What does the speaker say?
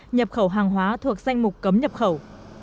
nhập khẩu hàng hóa thuộc danh mục cấm nhập khẩu